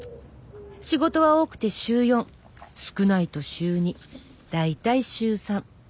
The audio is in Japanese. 仕事は多くて週４少ないと週２大体週３。